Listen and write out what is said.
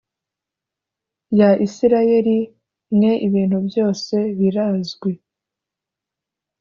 Ya isirayeli mwe ibintu byose birazwi